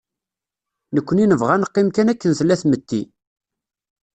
Nekni nebɣa ad neqqim kan akken tella tmetti.